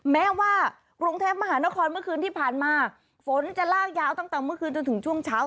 แม้ว่ากรุงเทพมหานครเมื่อคืนที่ผ่านมาฝนจะลากยาวตั้งแต่เมื่อคืนจนถึงช่วงเช้า